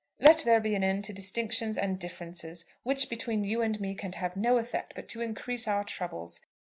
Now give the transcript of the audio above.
"Let there be an end to distinctions and differences, which, between you and me, can have no effect but to increase our troubles.